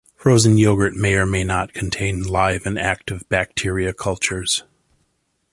Frozen yogurt may or may not contain live and active bacteria cultures.